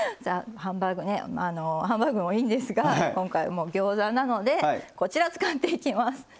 ハンバーグねハンバーグもいいんですが今回はギョーザなのでこちら使っていきます。